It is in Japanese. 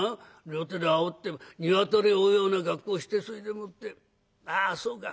両手であおって鶏を追うような格好してそれでもってああそうか。